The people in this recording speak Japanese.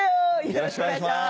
よろしくお願いします。